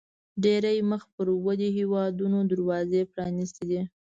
ډېری مخ پر ودې هیوادونو دروازې پرانیستې دي.